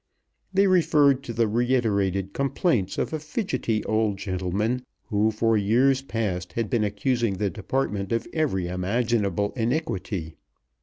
They referred to the reiterated complaints of a fidgety old gentleman who for years past had been accusing the Department of every imaginable iniquity.